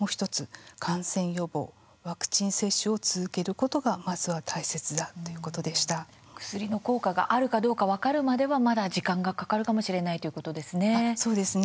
下畑教授いわく薬の効果があるかどうか分かるまではまだ時間がかかるかもしれないということですね。